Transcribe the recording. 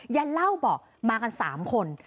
ยายเล่าบอกมากัน๓คน